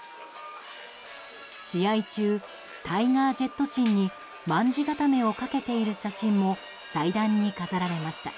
試合中タイガー・ジェット・シンに卍固めをかけている写真も祭壇に飾られました。